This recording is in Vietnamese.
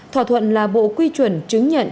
thỏa thuận là bộ quy chuẩn chứng nhận